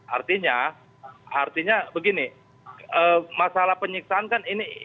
artinya begini masalah penyiksaan kan ini ini kan tembakannya kan menggunakan tembakan yang berbeda